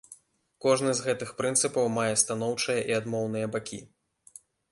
Кожны з гэтых прынцыпаў мае станоўчыя і адмоўныя бакі.